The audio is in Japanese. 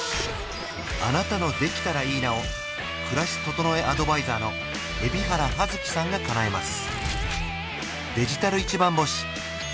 あなたの「できたらいいな」を暮らし整えアドバイザーの海老原葉月さんがかなえます